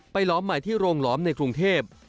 หลอมใหม่ที่โรงหลอมในกรุงเทพ